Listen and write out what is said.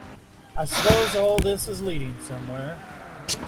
I suppose all this is leading somewhere?